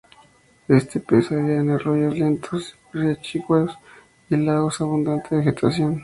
Este pez habita en arroyos lentos, riachuelos, y lagos con abundante vegetación.